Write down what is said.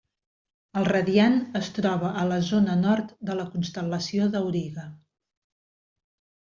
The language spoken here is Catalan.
El radiant es troba a la zona nord de la constel·lació d'Auriga.